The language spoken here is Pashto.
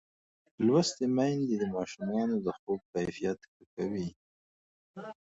لوستې میندې د ماشومانو د خوب کیفیت ښه کوي.